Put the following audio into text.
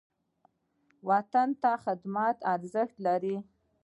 وطن ته خدمت څه ارزښت لري؟